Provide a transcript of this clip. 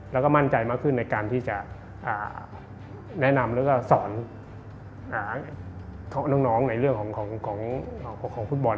แล้วก็มั่นใจมากขึ้นในการที่จะแนะนำแล้วก็สอนหาน้องในเรื่องของปกครองฟุตบอล